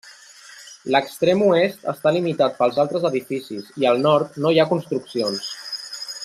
L'extrem oest està limitat pels altres edificis, i al nord no hi ha construccions.